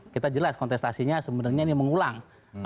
kita jelas kontestasinya sebenarnya ini mengulang